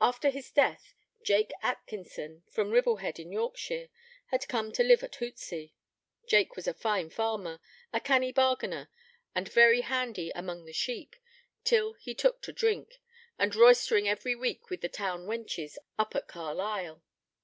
After his death, Jake Atkinson, from Ribblehead in Yorkshire, had come to live at Hootsey. Jake was a fine farmer, a canny bargainer, and very handy among the sheep, till he took to drink, and roystering every week with the town wenches up at Carlisle.